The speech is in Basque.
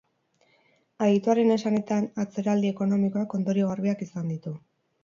Adituaren esanetan, atzeraldi ekonomikoak ondorio garbiak izan ditu.